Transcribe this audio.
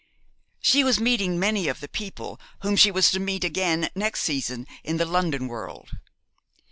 She was meeting many of the people whom she was to meet again next season in the London world.